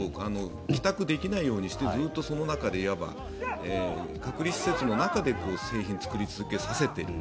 帰宅できないようにしてずっとその中でいわば隔離施設の中で製品を作り続けさせている。